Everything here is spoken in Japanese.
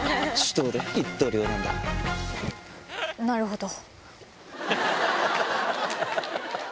なるほど。